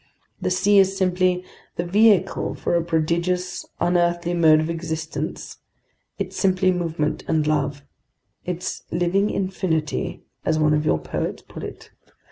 The sea is simply the vehicle for a prodigious, unearthly mode of existence; it's simply movement and love; it's living infinity, as one of your poets put it.